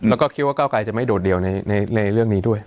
แล้วก็คิดว่าเก้าไกรจะไม่โดดเดี่ยวในเรื่องนี้ด้วย